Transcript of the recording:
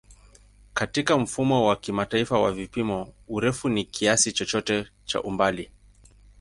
Katika Mfumo wa Kimataifa wa Vipimo, urefu ni kiasi chochote cha umbali.